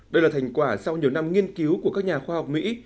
đây là thành quả sau nhiều năm nghiên cứu của các nhà khoa học mỹ